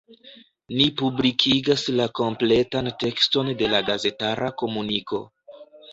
Ni publikigas la kompletan tekston de la gazetara komuniko.